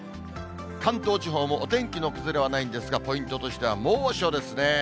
関東地方もお天気の崩れはないんですが、ポイントとしては猛暑ですね。